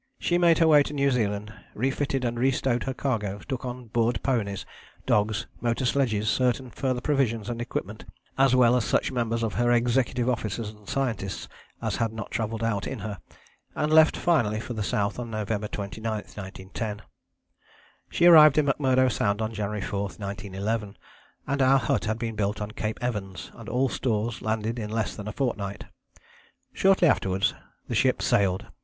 She made her way to New Zealand, refitted and restowed her cargo, took on board ponies, dogs, motor sledges, certain further provisions and equipment, as well as such members of her executive officers and scientists as had not travelled out in her, and left finally for the South on November 29, 1910. She arrived in McMurdo Sound on January 4, 1911, and our hut had been built on Cape Evans and all stores landed in less than a fortnight. Shortly afterwards the ship sailed.